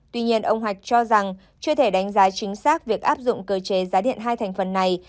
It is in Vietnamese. tuy nhiên ông hoạch cho rằng chưa thể đánh giá chính xác việc áp dụng cơ chế giá điện hai thành phần này